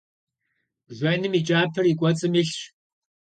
Бжэным и кӀапэр и кӀуэцӀым илъщ.